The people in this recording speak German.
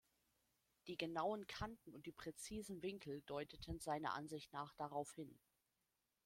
Die genauen Kanten und die präzisen Winkel deuteten seiner Ansicht nach darauf hin.